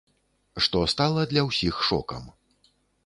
Што стала для ўсіх шокам.